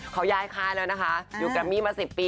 เขาย้ายค่ายแล้วนะคะอยู่แกรมมี่มา๑๐ปี